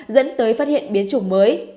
dẫn tới phát hiện biến chủng mới